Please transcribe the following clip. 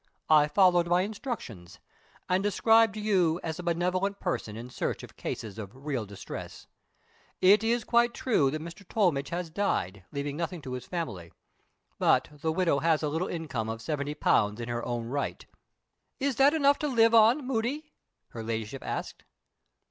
I followed my instructions, and described you as a benevolent person in search of cases of real distress. It is quite true that Mr. Tollmidge has died, leaving nothing to his family. But the widow has a little income of seventy pounds in her own right." "Is that enough to live on, Moody?" her Ladyship asked.